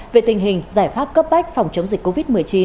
về tình hình giải pháp cấp bách phòng chống dịch covid một mươi chín